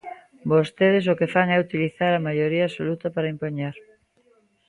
Vostedes o que fan é utilizar a maioría absoluta para impoñer.